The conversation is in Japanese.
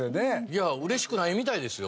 いや嬉しくないみたいですよ